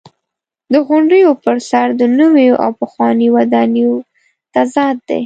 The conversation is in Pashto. د غونډیو پر سر د نویو او پخوانیو ودانیو تضاد دی.